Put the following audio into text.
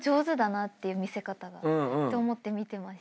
見せ方が。って思って見てました。